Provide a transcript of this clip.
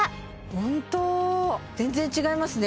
ホント全然違いますね